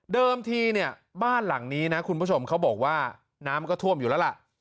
ทีเนี่ยบ้านหลังนี้นะคุณผู้ชมเขาบอกว่าน้ำก็ท่วมอยู่แล้วล่ะ